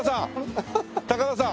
高田さん！